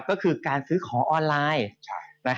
ก็คือการซื้อของออนไลน์